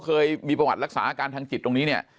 เคยมีประวัติรักษาอาการทางจิตตรงนี้เนี่ย